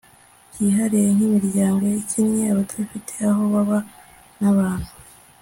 byihariye nk imiryango ikennye abadafite aho baba n abantu